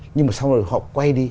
nhưng mà sau đó họ quay đi